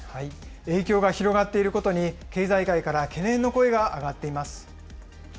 影響が広がっていることに、経済界から懸念の声が上がっています。